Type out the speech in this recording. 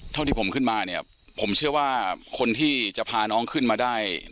เท่าที่ผมขึ้นมาเนี่ยผมเชื่อว่าคนที่จะพาน้องขึ้นมาได้